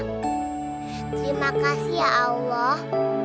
terima kasih ya allah